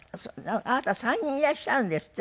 あなた３人いらっしゃるんですって？